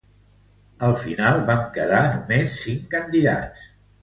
Al final, vam quedar només cinc candidats.